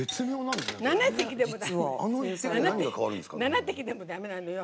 ７滴でも、だめなのよ。